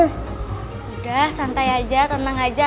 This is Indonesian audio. sudah santai aja tenang aja